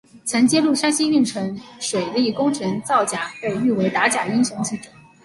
曾揭露山西运城水利工程造假被誉为打假英雄记者。